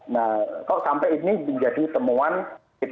nah kok sampai ini menjadi temuan kita